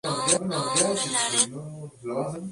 Luego de esta experiencia, el Dr.